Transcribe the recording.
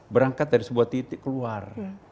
berangkat dari sebuah titik keluar